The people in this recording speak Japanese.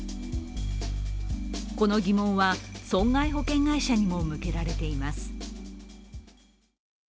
この疑問は損害保険会社にも向けられています。